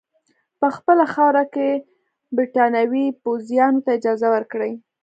په خپله خاوره کې برټانوي پوځیانو ته اجازه ورکړي.